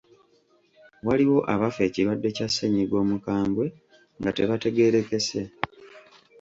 Waliwo abafa ekirwadde kya ssennyiga omukambwe nga tebategeerekese.